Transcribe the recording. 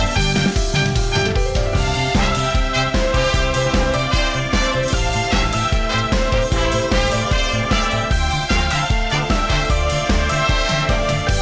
สวัสดีค่ะ